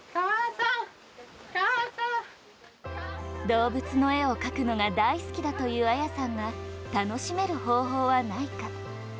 動物の絵を描くのが大好きだという愛弥さんは楽しめる方法はないか。